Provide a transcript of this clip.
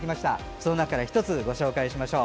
その中で１つご紹介しましょう。